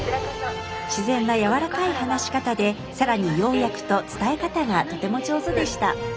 自然なやわらかい話し方で更に要約と伝え方がとても上手でした。